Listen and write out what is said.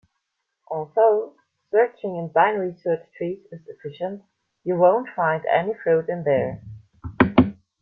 Although searching in binary search trees is efficient, you won't find any fruit in there.